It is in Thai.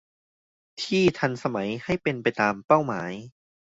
ที่ทันสมัยให้เป็นไปตามเป้าหมาย